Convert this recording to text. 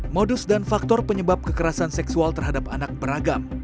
modus dan faktor penyebab kekerasan seksual terhadap anak beragam